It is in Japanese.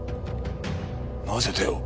なぜ手を？